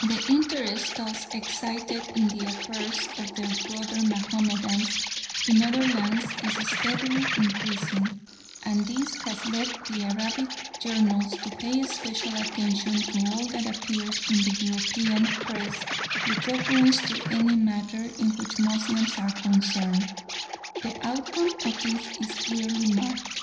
The interest thus excited in the affairs of their brother Mahomedans in other lands is steadily increasing, and this has led the Arabic journals to pay special attention to all that appears in the European Press with reference to any matter in which Moslems are concerned. The outcome of this is clearly marked.